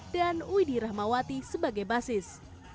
dan widhi rahmawati sebagai bassist